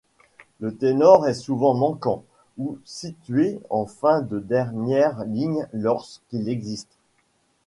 Le ténor est souvent manquant, ou situé en fin de dernière ligne lorsqu'il existe.